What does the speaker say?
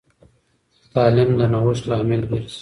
تعلیم د نوښت لامل ګرځي.